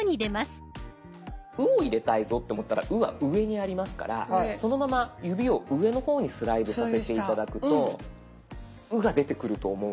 「う」を入れたいぞって思ったら「う」は上にありますからそのまま指を上の方にスライドさせて頂くと「う」が出てくると思うんです。